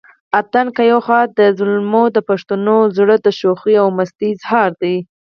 اتڼ که يو خوا د زلميو دپښتون زړه دشوخۍ او مستۍ اظهار دے